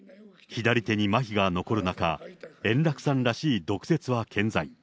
左手にまひが残る中、円楽さんらしい毒舌は健在。